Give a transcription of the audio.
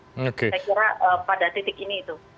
saya kira pada titik ini itu